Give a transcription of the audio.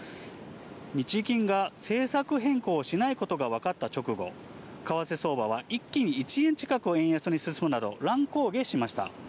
日銀が政策変更しないことが分かった直後、為替相場は一気に１円近く円安に進むなど、乱高下しました。